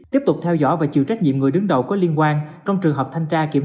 tiếp tục theo dõi và chịu trách nhiệm người đứng đầu có liên quan trong trường hợp thanh tra kiểm tra